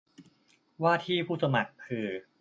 ว่าที่ผู้สมัครคือ